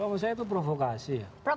kalau saya tuh provokasi